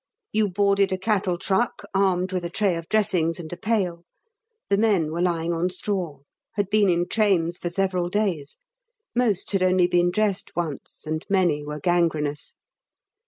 You boarded a cattle truck, armed with a tray of dressings and a pail; the men were lying on straw; had been in trains for several days; most had only been dressed once, and many were gangrenous.